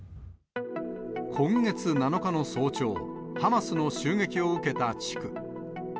今月７日の早朝、ハマスの襲撃を受けた地区。